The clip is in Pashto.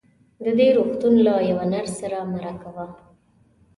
د دې روغتون له يوه نرس سره مرکه وه.